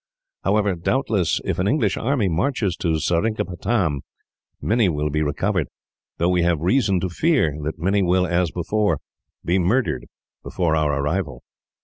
However, doubtless if an English army marches to Seringapatam, many will be recovered, though we have reason to fear that many will, as before, be murdered before our arrival."